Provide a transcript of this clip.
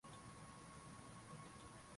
Uliwachagua ili wawe wako